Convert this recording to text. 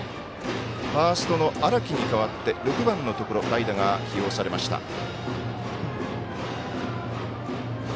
ファーストの荒木に代わって６番のところ代打が起用されました。